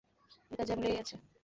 এটা জ্যাম লেগে গেছে।